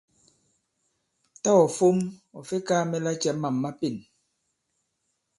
Tâ ɔ̀ fom ɔ̀ fe kaā mɛ lacɛ mâm ma pên.